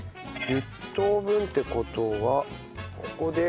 １０等分って事はここで２。